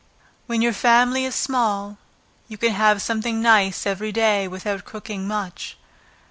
When your family is small, you can have something nice every day, without cooking much.